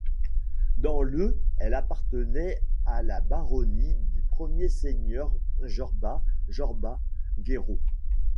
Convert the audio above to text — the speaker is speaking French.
Dans le elle appartenait à la baronnie du premier seigneur Jorba Jorba Guerau.